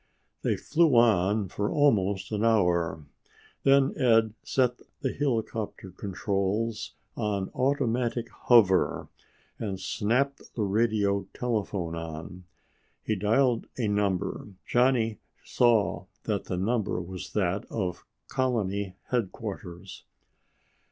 They flew on for almost an hour. Then Ed set the helicopter controls on automatic hover and snapped the radio telephone on. He dialed a number. Johnny saw that the number was that of Colony Headquarters.